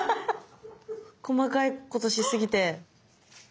細かいことしすぎて。